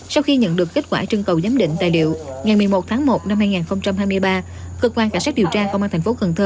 sau khi nhận được kết quả trưng cầu giám định tài liệu ngày một mươi một tháng một năm hai nghìn hai mươi ba cơ quan cảnh sát điều tra công an thành phố cần thơ